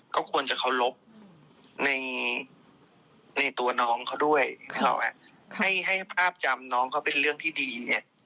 ก็ควรจะเคารพในตัวน้องเขาด้วยให้ภาพจำน้องเขาเป็นเรื่องที่ดี